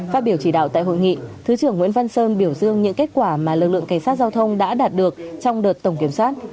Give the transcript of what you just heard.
phát biểu chỉ đạo tại hội nghị thứ trưởng nguyễn văn sơn biểu dương những kết quả mà lực lượng cảnh sát giao thông đã đạt được trong đợt tổng kiểm soát